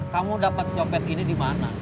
kamu dapat nyopet ini dimana